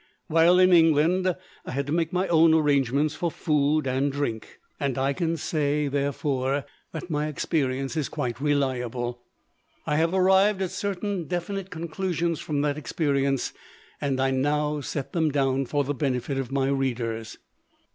While in England, I had to make my own arrangements for food and drink, and I can say, therefore, that my experience is quite reliable. I have arrived at certain definite conclusions from that experience, and I now set them down for the benefit of my readers.